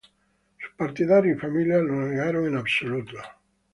Sus partidarios y familia lo negaron en absoluto.